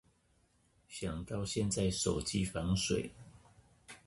想到現在手機防水